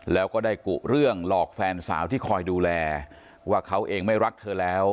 แล้วก็ได้กุเรื่องหลอกแฟนสาวที่คอยดูแลว่าเขาเองไม่รักเธอแล้ว